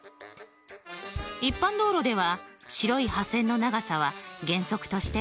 一般道路では白い破線の長さは原則として５ｍ。